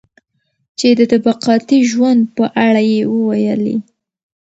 چې د طبقاتي ژوند په اړه يې وويلي.